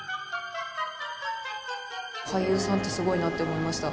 俳優さんってすごいなって思いました。